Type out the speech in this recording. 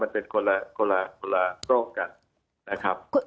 มันเป็นคนละโรคกันนะครับ